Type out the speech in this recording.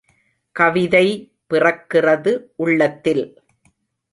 கவிதை பிறக்கிறது உள்ளத்தில்.